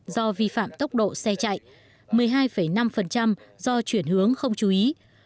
bảy sáu do vi phạm tốc độ xe chạy một mươi hai năm do chuyển hướng không chú ý